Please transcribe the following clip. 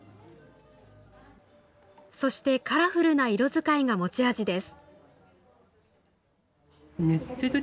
そしてカラフルな色使いが持ち味です。